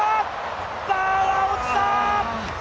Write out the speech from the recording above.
バーは落ちた！